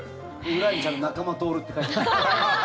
裏にちゃんと中間徹って書いてある。